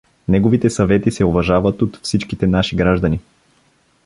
Неговите съвети се уважават от всичките наши граждани.